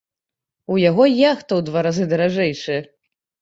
У яго яхта ў два разы даражэйшая.